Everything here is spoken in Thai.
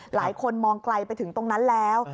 หลายคนมองไกลไปถึงตรงนั้นแล้ว